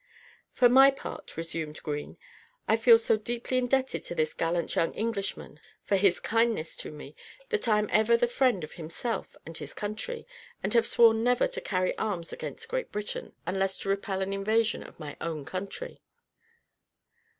"For my part," resumed Green, "I feel so deeply indebted to this gallant young Englishman for his kindness to me, that I am for ever the friend of himself and his country, and have sworn never to carry arms against Great Britain, unless to repel an invasion of my own country."